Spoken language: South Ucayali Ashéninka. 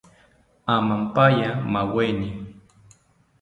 Amampaya maaweni